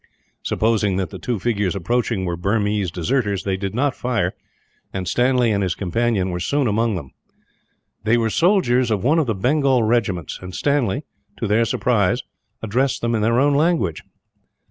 Supposing that the two figures approaching were Burmese deserters, they did not fire; and Stanley and his companion were soon among them. They were soldiers of one of the Bengal regiments; and Stanley, to their surprise, addressed them in their own language.